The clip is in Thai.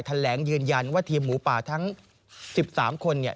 แถลงยืนยันว่าทีมหมูป่าทั้ง๑๓คนเนี่ย